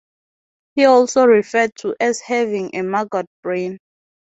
He is also referred to as having a "maggot brain".